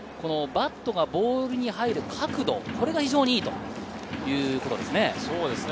バットがボールに入る角度、これが非常にいいということですね。